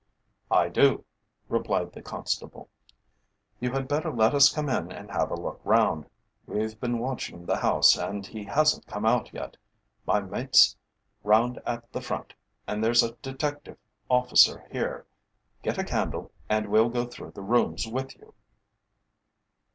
"I do," replied the constable. "You had better let us come in and have a look round. We've been watching the house and he hasn't come out yet. My mate's round at the front, and there's a detective officer here. Get a candle and we'll go through the rooms with you."